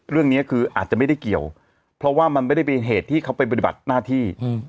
เรื่องนี้คืออาจจะไม่ได้เกี่ยวเพราะว่ามันไม่ได้เป็นเหตุที่เขาไปปฏิบัติหน้าที่